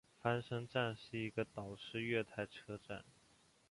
翻身站是一个岛式月台车站。